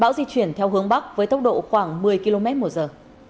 bão di chuyển theo hướng bắc với tốc độ khoảng một mươi km một giờ